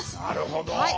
なるほど。